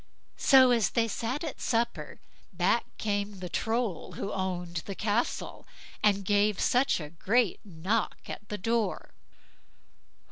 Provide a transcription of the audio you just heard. So as they sat at supper, back came the Troll who owned the castle, and gave such a great knock at the door.